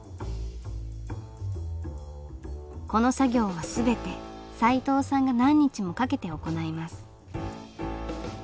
この作業は全てさいとうさんが何日もかけて行います。